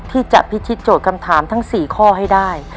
ที่จะพิชิตโจทย์คำถามทั้ง๔ข้อให้ได้